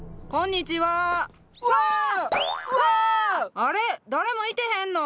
あれ誰もいてへんの？